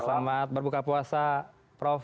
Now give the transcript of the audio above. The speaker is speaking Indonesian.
selamat berbuka puasa prof